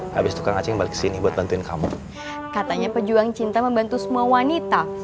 habis itu kembali ke sini buat bantuin kamu katanya pejuang cinta membantu semua wanita